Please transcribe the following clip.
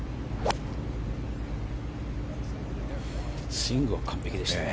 スイングは完璧でしたね。